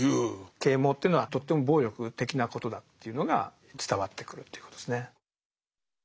啓蒙というのはとっても暴力的なことだっていうのが伝わってくるということですね。